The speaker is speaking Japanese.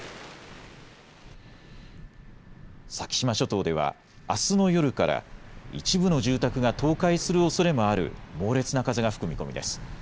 先島諸島ではあすの夜から一部の住宅が倒壊するおそれもある猛烈な風が吹く見込みです。